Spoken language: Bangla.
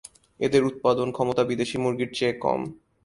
এদের উৎপাদন ক্ষমতা বিদেশী মুরগির চেয়ে কম।